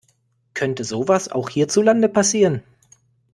Könnte sowas auch hierzulande passieren?